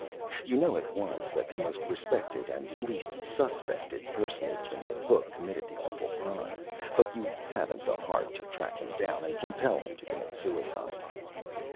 You know at once that the most Respected and least _sus_pected Personage in the Book committed the awful Crime, but you haven't the Heart to Track him down and compel him to commit Suicide.